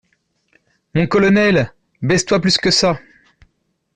Mon colonel, baisse-toi plus que ça.